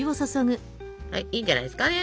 はいいいんじゃないですかね。